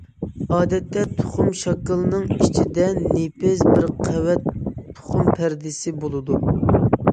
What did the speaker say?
ئادەتتە تۇخۇم شاكىلىنىڭ ئىچىدە نېپىز بىر قەۋەت تۇخۇم پەردىسى بولىدۇ.